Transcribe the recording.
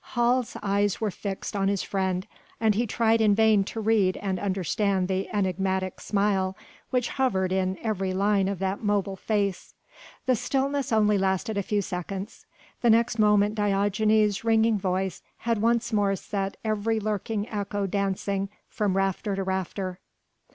Hals' eyes were fixed on his friend, and he tried in vain to read and understand the enigmatical smile which hovered in every line of that mobile face. The stillness only lasted a few seconds: the next moment Diogenes' ringing voice had once more set every lurking echo dancing from rafter to rafter.